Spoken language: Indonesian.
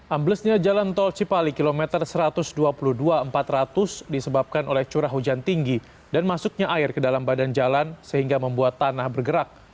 amblesnya jalan tol cipali kilometer satu ratus dua puluh dua empat ratus disebabkan oleh curah hujan tinggi dan masuknya air ke dalam badan jalan sehingga membuat tanah bergerak